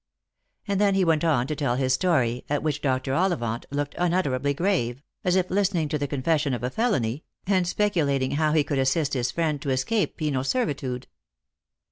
And then he went on to tell his story, at which Dr. Ollivant looked unutterably grave, as if listening to the confession of a felony, and speculating how he could assist his friend to escape penal servitude.